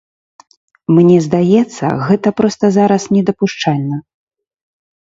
Мне здаецца, гэта проста зараз недапушчальна!